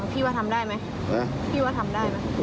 พี่ว่าทำได้มั้ย